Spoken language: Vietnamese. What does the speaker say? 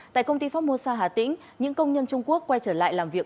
tại công ty phong musa hà tĩnh những công nhân trung quốc quay trở lại làm việc